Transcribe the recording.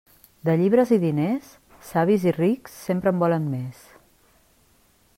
De llibres i diners, savis i rics sempre en volen més.